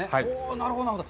なるほど、なるほど。